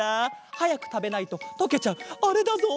はやくたべないととけちゃうあれだぞ！